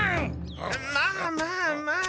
まあまあまあ。